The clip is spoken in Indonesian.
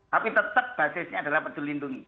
tapi tetap basisnya adalah peduli lindungi